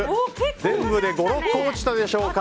全部で５、６個落ちたでしょうか。